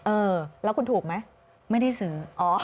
เออแล้วคุณถูกไหมไม่ได้ซื้อ